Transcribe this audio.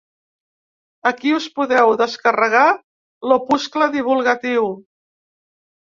Aquí us podeu descarregar l’opuscle divulgatiu.